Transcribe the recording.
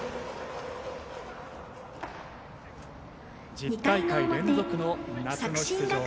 １０大会連続の夏の出場。